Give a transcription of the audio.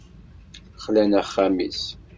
Xlan axxam-is.